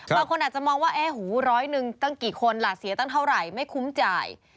บางคนอาจจะมองว่าเอ๊ะหูร้อยหนึ่งตั้งกี่คนล่ะเสียตั้งเท่าไหร่ไม่คุ้มจ่าย